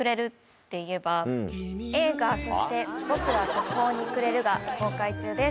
映画『そして僕は途方に暮れる』が公開中です。